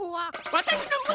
わたしのむ